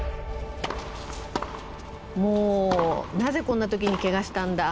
もう「なぜこんな時にケガしたんだ！